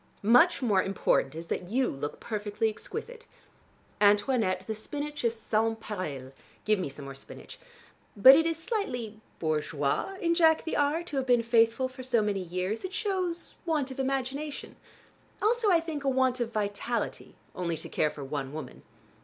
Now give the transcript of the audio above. Much more important is that you look perfectly exquisite. Antoinette, the spinach is sans pareil: give me some more spinach. But it is slightly bourgeois in Jack the R. to have been faithful for so many years. It shows want of imagination, also I think a want of vitality, only to care for one woman."